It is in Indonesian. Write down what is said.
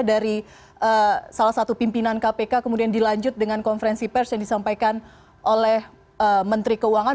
dari salah satu pimpinan kpk kemudian dilanjut dengan konferensi pers yang disampaikan oleh menteri keuangan